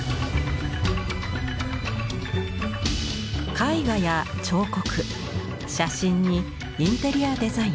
絵画や彫刻写真にインテリアデザイン。